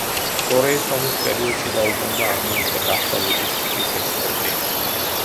კორეის ომის პერიოდში დაუბრუნდა არმიას და გახდა ლოჯისტიკის ექსპერტი.